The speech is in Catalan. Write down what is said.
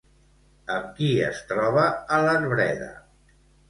Amb qui es troba a l'arbreda?